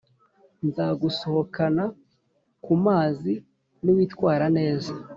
Nzagusohokana kumazi niwitwara neza